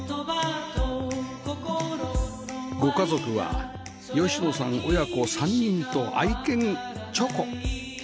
ご家族は吉野さん親子３人と愛犬ちょこ